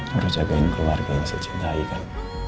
harus jagain keluarga yang saya cintai kan